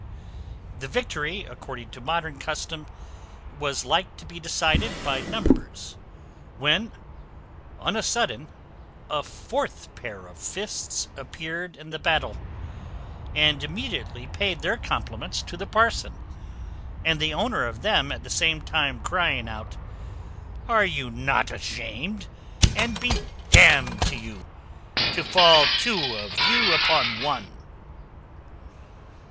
The victory, according to modern custom, was like to be decided by numbers, when, on a sudden, a fourth pair of fists appeared in the battle, and immediately paid their compliments to the parson; and the owner of them at the same time crying out, "Are not you ashamed, and be d n'd to you, to fall two of you upon one?"